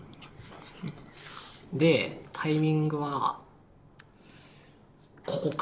でタイミングはここか。